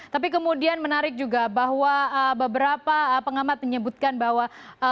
tapi kemudian menarik juga bahwa beberapa pengamat menyebutkan bahwa